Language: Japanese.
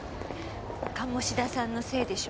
鴨志田さんのせいでしょ。